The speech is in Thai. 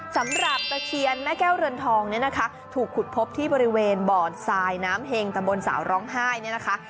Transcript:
ตะเคียนแม่แก้วเรือนทองเนี่ยนะคะถูกขุดพบที่บริเวณบ่อทรายน้ำเห็งตะบนสาวร้องไห้เนี่ยนะคะ